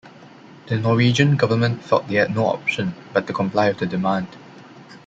The Norwegian Government felt they had no option but to comply with the demand.